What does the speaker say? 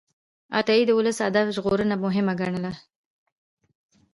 عطایي د ولسي ادب ژغورنه مهمه ګڼله.